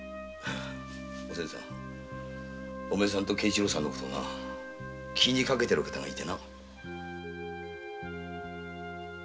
お前さんと敬一郎さんの事を気にかけているお方がいてね。